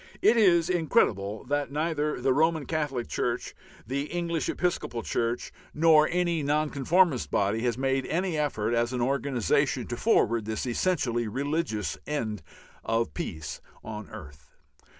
It is incredible that neither the Roman Catholic Church, the English Episcopal Church, nor any Nonconformist body has made any effort as an organization to forward this essentially religious end of peace on earth.